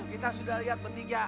kita sudah lihat bertiga